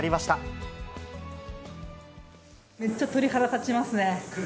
めっちゃ鳥肌立ちますね。